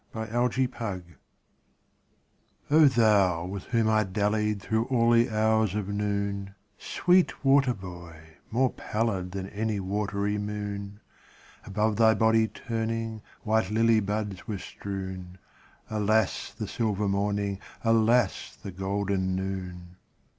XIX Narcissus THOU with whom I dallied Through all the hours of noon, Sweet water boy, more pallid Than any watery moon ; Above thy body turning White lily buds were strewn : Alas, the silver morning, Alas, the golden noon